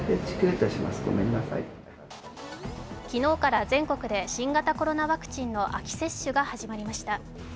昨日から全国で新型コロナワクチンの秋接種が始まりました。